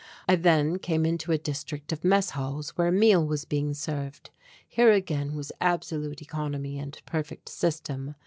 I then came into a district of mess halls where a meal was being served. Here again was absolute economy and perfect system.